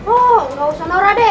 oh gak usah noradeh